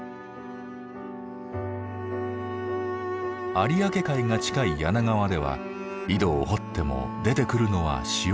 有明海が近い柳川では井戸を掘っても出てくるのは塩水ばかり。